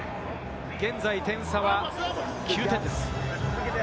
現在点差は９点です。